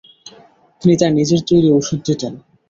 তিনি তার নিজের তৈরি ওষুধ দিতেন।